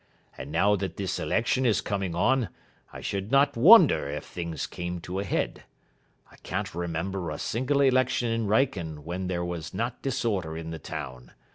And now that this election is coming on, I should not wonder if things came to a head. I can't remember a single election in Wrykyn when there was not disorder in the town.